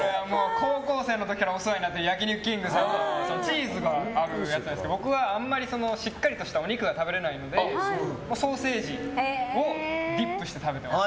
高校生の時からお世話になってて焼肉きんぐさんのチーズが入っているやつで僕はあんまりしっかりとしたお肉が食べられないのでソーセージをピックして食べてます。